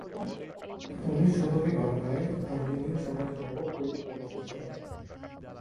উনিশ শতকে বাংলায় আর্মেনীয় সমাজে ব্যাপক পরিবর্তন সূচিত হয়।